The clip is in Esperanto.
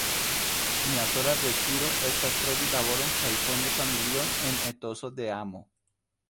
Mia sola deziro estas trovi laboron kaj fondi familion en etoso de amo.